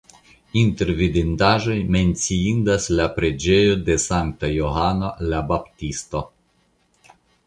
Inter vidindaĵoj menciindas la preĝejo de Sankta Johano la Baptisto.